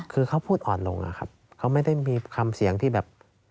คือเขาพูดอ่อนลงอะครับเขาไม่ได้มีคำเสียงที่แบบ